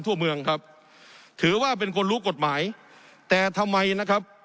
ทั่วเมืองครับถือว่าเป็นคนรู้กฎหมายแต่ทำไมนะครับ